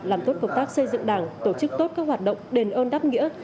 làm tốt công tác xây dựng đảng tổ chức tốt các hoạt động đền ơn đáp nghĩa